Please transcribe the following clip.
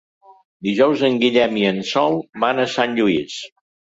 Dijous en Guillem i en Sol van a Sant Lluís.